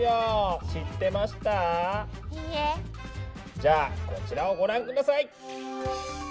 じゃあこちらをご覧ください！